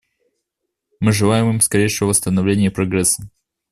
Мы желаем им скорейшего восстановления и прогресса.